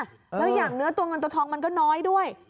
แล้วอย่างเนื้อตัวเงินตัวทองมันก็น้อยด้วย